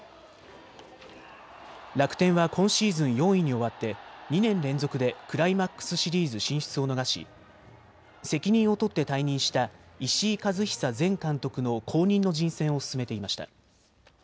楽天は今シーズン４位に終わって２年連続でクライマックスシリーズ進出を逃し責任を取って退任した石井一久前監督の後任の人選を進めていました。